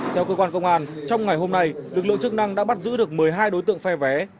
theo cơ quan công an trong ngày hôm nay lực lượng chức năng đã bắt giữ được một mươi hai đối tượng phe vé